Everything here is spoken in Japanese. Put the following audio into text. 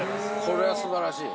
これはすばらしい。